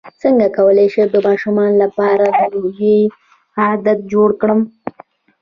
څنګه کولی شم د ماشومانو لپاره د روژې عادت جوړ کړم